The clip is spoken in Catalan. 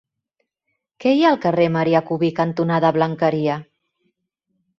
Què hi ha al carrer Marià Cubí cantonada Blanqueria?